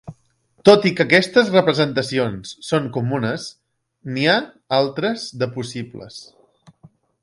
Tot i que aquestes representacions són comunes, n'hi ha altres de possibles.